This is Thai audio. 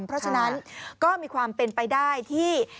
เพราะฉะนั้นก็มีความเป็นไปได้ที่